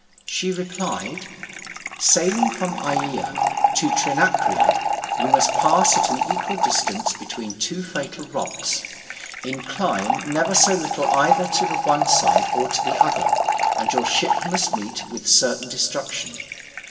She replied: "Sailing from Aeaea to Trinacria, you must pass at an equal distance between two fatal rocks. Incline never so little either to the one side or the other, and your ship must meet with certain destruction.